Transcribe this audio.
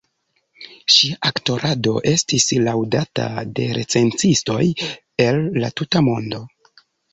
Ŝia aktorado estis laŭdata de recenzistoj el la tuta mondo.